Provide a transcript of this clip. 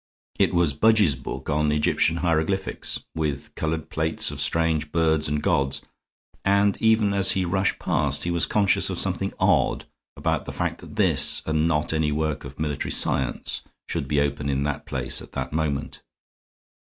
It was Budge's book on Egyptian hieroglyphics, with colored plates of strange birds and gods, and even as he rushed past, he was conscious of something odd about the fact that this, and not any work of military science, should be open in that place at that moment.